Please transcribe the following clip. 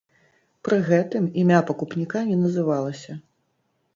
Пры гэтым імя пакупніка не называлася.